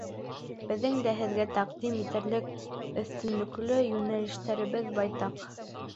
— Беҙҙең дә һеҙгә тәҡдим итерлек өҫтөнлөклө йүнәлештәребеҙ байтаҡ.